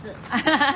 ハハハッ。